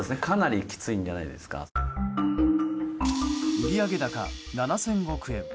売上高７０００億円。